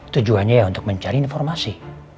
tujuannya untuk mencari informasi